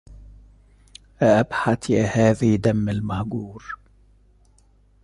أأبحت يا هذي دم المهجور